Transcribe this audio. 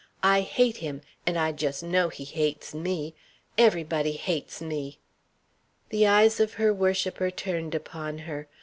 I hate him, and I just know he hates me! Everybody hates me!" The eyes of her worshipper turned upon her.